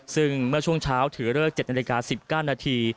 ซึ่งเมื่อช่วงเช้าถือเลิก๗นาฬิกา๑๙นาที